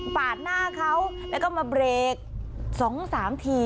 ปาดหน้าเขาแล้วก็มาเบรกสองสามที